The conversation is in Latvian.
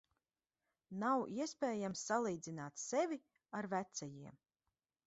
Nav iespējams salīdzināt sevi ar vecajiem.